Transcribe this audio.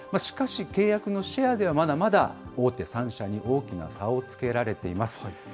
しかし、契約のシェアではまだまだ大手３社に大きな差をつけられています。